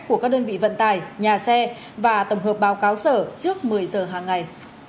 của các đơn vị vận tải nhà xe và tổng hợp báo cáo sở trước một mươi giờ hàng ngày